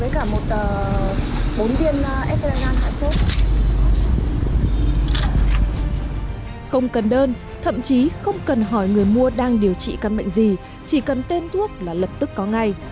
không cần đơn thậm chí không cần hỏi người mua đang điều trị căn bệnh gì chỉ cần tên thuốc là lập tức có ngay